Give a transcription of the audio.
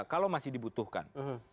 kalau masih dibutuhkan